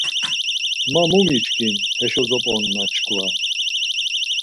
Ma mu miçkin, heşo zop̌onan çkva.